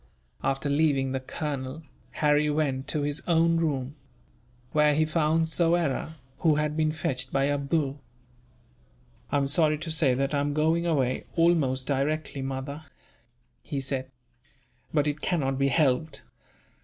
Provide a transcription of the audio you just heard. After leaving the colonel, Harry went to his own room; where he found Soyera, who had been fetched by Abdool. "I am sorry to say that I am going away, almost directly, mother," he said; "but it cannot be helped."